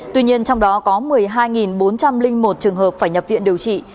tuy nhiên trong đó có một mươi hai bốn trăm linh một trường hợp phải nhập viện điều trị